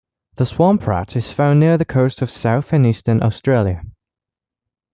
The Swamp Rat is found near the coast of south and eastern Australia.